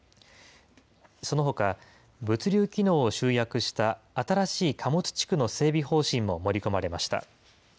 そのほか、物流機能を集約した新しい貨物地区の整備方針も盛り込まれました。